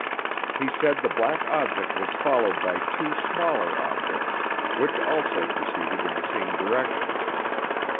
He said the black object was followed by two smaller objects which also proceeded in the same direction.